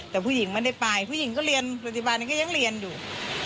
แต่ผู้หญิงไม่ได้ไปผู้หญิงก็เรียนปัจจุบันนี้ก็ยังเรียนอยู่